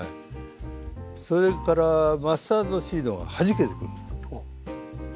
それからマスタードシードがはじけてくるんです。